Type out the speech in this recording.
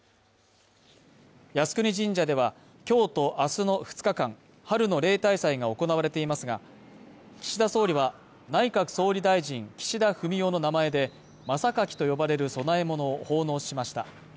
靖国神社では、今日と明日の２日間、春の例大祭が行われていますが、岸田総理は内閣総理大臣岸田文雄の名前で、まさかきと呼ばれる供え物を奉納しました。